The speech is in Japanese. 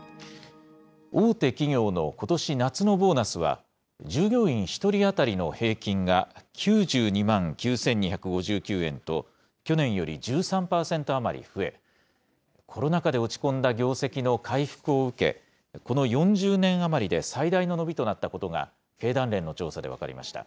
大手企業のことし夏のボーナスは、従業員１人当たりの平均が９２万９２５９円と、去年より１３％余り増え、コロナ禍で落ち込んだ業績の回復を受け、この４０年余りで最大の伸びとなったことが、経団連の調査で分かりました。